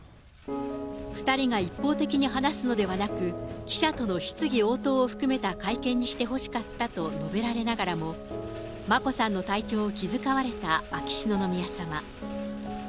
２人が一方的に話すのではなく、記者との質疑応答を含めた会見にしてほしかったと述べられながらも、眞子さんの体調を気遣われた秋篠宮さま。